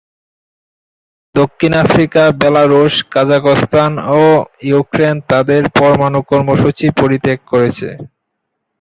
দক্ষিণ Africa, Belarus, Kazakhstan ও Ukraine তাদের পরমাণু কর্মসূচি পরিত্যাগ করেছে।